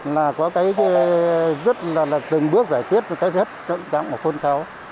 là có cái rất là là từng bước giải quyết với cái chất chậm trong một khuôn kháu